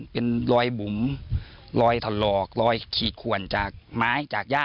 เป็นรอยบุ๋มรอยถลอกรอยขีดขวนจากไม้จากย่า